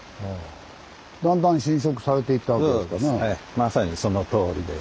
まさにそのとおりです。